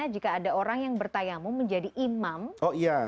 jika ada orang yang bertayamu menjadi imam